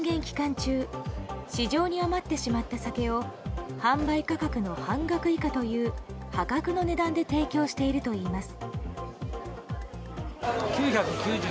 中市場に余ってしまった酒を販売価格の半額以下という破格の値段で提供しているといいます。